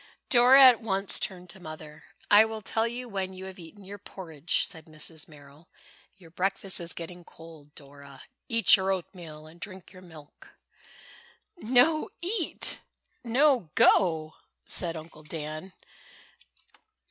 Dora at once turned to Mother. "I will tell you when you have eaten your porridge," said Mrs. Merrill. "Your breakfast is getting cold, Dora. Eat your oatmeal and drink your milk." "No eat—no go," said Uncle Dan.